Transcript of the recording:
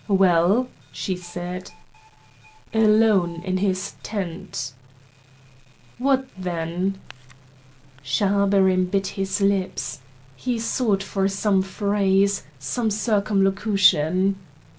"Well?" she said. "Alone in his tent." "What then?" Schahabarim bit his lips. He sought for some phrase, some circumlocution.